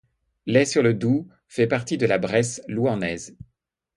Lays-sur-le-Doubs fait partie de la Bresse louhannaise.